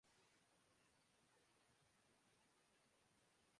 ایسو نے کہا کہ وائٹنگ فیلڈ نے منگل کو پیداوار شروع کی